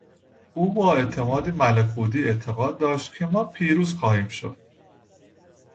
او با اعتمادی ملکوتی اعتقاد داشت که ما پیروز خواهیم شد.